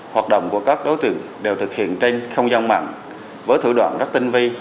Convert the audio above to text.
hoạt động của các đối tượng đều thực hiện trên không gian mạng với thủ đoạn rất tinh vi